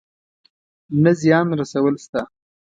نه زيان رسول شته.